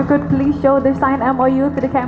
oleh seorang yang sepenuh dunia dan